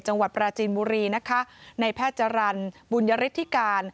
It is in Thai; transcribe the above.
จังหวัดปราจีนบุรีในแพทย์จารนธรรมิบุญริธิการ